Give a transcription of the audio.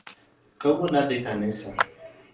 Kawuono adhi kanisa